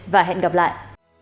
và hẹn gặp lại